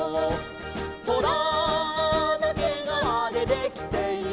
「トラのけがわでできている」